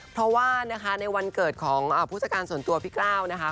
เพราะว่านะคะในวันเกิดของผู้จัดการส่วนตัวพี่กล้าวนะคะ